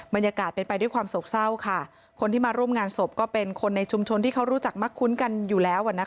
บรรยากาศเป็นไปด้วยความโศกเศร้าค่ะคนที่มาร่วมงานศพก็เป็นคนในชุมชนที่เขารู้จักมักคุ้นกันอยู่แล้ว